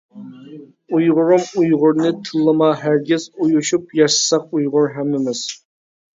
ئۇيغۇرۇم ئۇيغۇرنى تىللىما ھەرگىز، ئۇيۇشۇپ ياشىساق ئۇيغۇر ھەممىمىز.